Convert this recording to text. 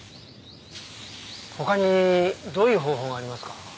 他にどういう方法がありますか？